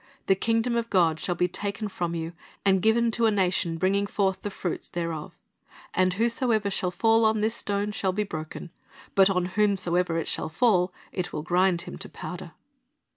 The kingdom of God shall be taken from you, and given to a nation bringing forth the fruits thereof And whosoever shall fall on this stone shall be broken; but on whomsoever it shall fall, it will grind him to powder."